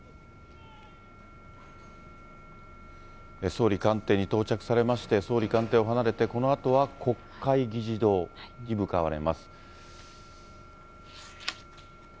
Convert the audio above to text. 総理官邸に到着されまして、総理官邸を離れて、このあとは国会議事堂に向かわれます。